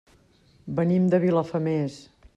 Venim de Vilafamés.